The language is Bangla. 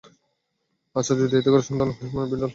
আচ্ছা, যদি এতে কোন সান্ত্বনা হয়, আমার মিডল নেইম হল হেনরিয়েটা।